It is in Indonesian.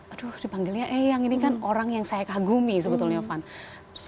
aduh dipanggilnya eyang ini kan orang yang saya kagumi sebetulnya fan